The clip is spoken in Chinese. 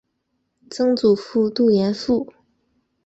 曾祖父杜彦父。